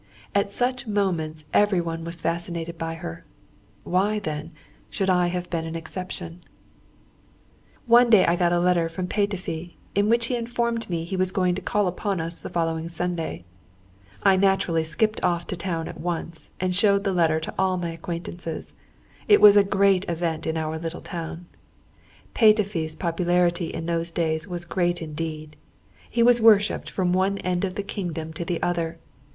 At such moments every one was fascinated by her; why, then, should I have been an exception? [Footnote 17: A famous gipsy musician.] [Footnote 18: The leader of a gipsy band.] One day I got a letter from Petöfi, in which he informed me he was going to call upon us the following Sunday. I naturally skipped off to town at once, and showed the letter to all my acquaintances. It was a great event in our little town. Petöfi's popularity in those days was great indeed; he was worshipped from one end of the kingdom to the other.